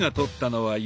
はい。